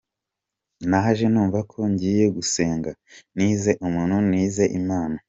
Naje numva ko ngiye gusenga, nize umuntu, nize Imana.